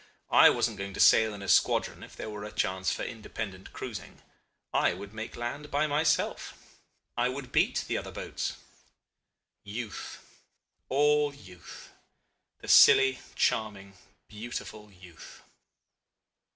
I wasn't going to sail in a squadron if there were a chance for independent cruising. I would make land by myself. I would beat the other boats. Youth! All youth! The silly, charming, beautiful youth.